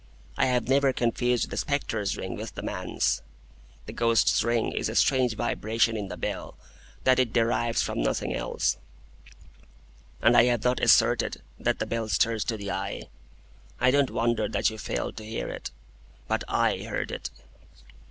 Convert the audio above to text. I have never confused the spectre's ring with the man's. The ghost's ring is a strange vibration in the bell that it derives from nothing else, and I have not asserted that the bell stirs to the eye. I don't wonder that you failed to hear it. But I heard it."